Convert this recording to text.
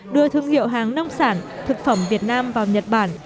đưa thương hiệu hàng nông sản thực phẩm việt nam vào nhật bản